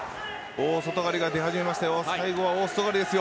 大外刈りが出始めましたよ。